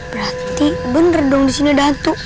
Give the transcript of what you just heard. berarti benar dong di sini ada hantu